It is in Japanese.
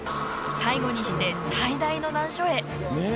最後にして、最大の難所へ。